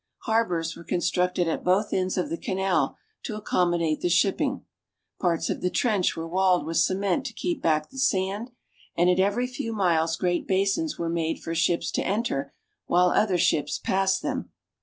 Harbors were con structed at both ends of the canal to accommodate the ship ping, parts of the trench were walled with cement to keep back the sand, and at every few miles great basins were made for ships to enter while other ships passed them.